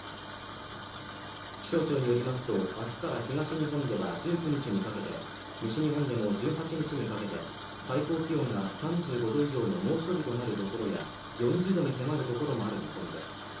気象庁によりますと明日から東日本では１９日にかけて西日本でも１８日にかけて最高気温が３５度以上の猛暑日となるところや４０度に迫るところもある見込みです。